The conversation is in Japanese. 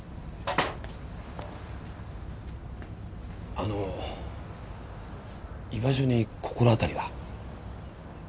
あの居場所に心当たりは？